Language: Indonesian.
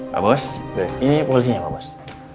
pak bos ini polisinya pak bos